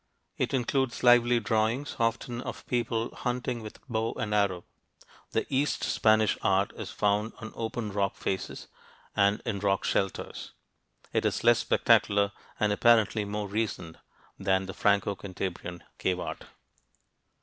It includes lively drawings, often of people hunting with bow and arrow. The East Spanish art is found on open rock faces and in rock shelters. It is less spectacular and apparently more recent than the Franco Cantabrian cave art.